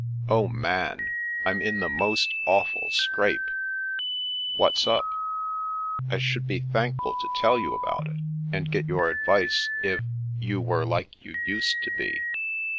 " Oh, Man, Fm in the most awful scrape.'' "What's up?" " I should be thankful to tdl you about it, and get your advice, if — ^you were like you used to be."